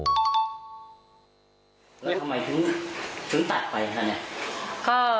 ทำไมถึงตัดไปคะเนี่ย